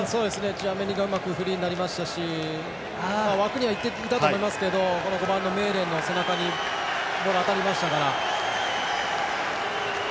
チュアメニがうまくフリーになりましたし枠には行っていたと思いますけど５番のメーレの背中にボールが当たりましたから。